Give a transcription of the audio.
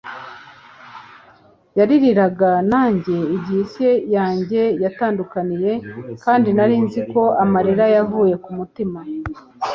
yaririraga nanjye igihe isi yanjye yatandukiriye, kandi nari nzi ko amarira yavuye kumutima